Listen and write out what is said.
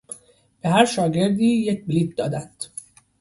به هر شاگردی یک بلیط دادند.